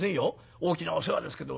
大きなお世話ですけど。